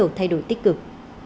có nhiều thay đổi tích cực